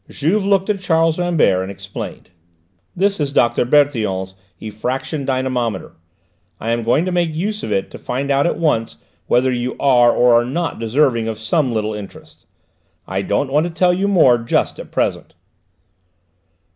Juve looked at Charles Rambert and explained. "This is Dr. Bertillon's effraction dynamometer. I am going to make use of it to find out at once whether you are or are not deserving of some little interest. I don't want to tell you more just at present."